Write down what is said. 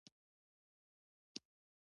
دوکاندار د خپل سامان ګټه ټاکلې ساتي.